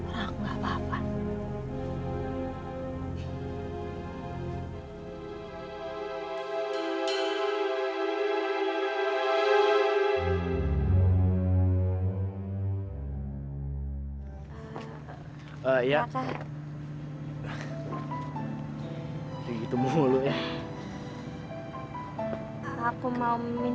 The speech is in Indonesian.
raka enggak apa apa